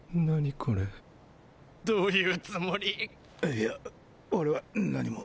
いや俺は何も。